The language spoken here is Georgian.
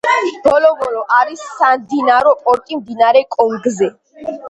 ბოლობო არის სამდინარო პორტი მდინარე კონგოზე.